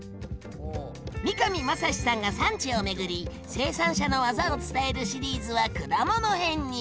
三上真史さんが産地を巡り生産者のわざを伝えるシリーズは果物編に！